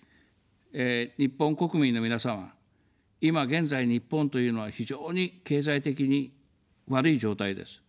日本国民の皆様、今現在、日本というのは非常に経済的に悪い状態です。